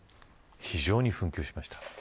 非常に紛糾しました。